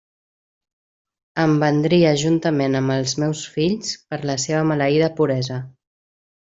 Em vendria juntament amb els meus fills per la seva maleïda puresa.